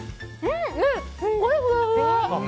すんごいふわふわ！